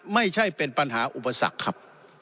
ไม่ใช่เป็นปัญหาอุปสรรคครับ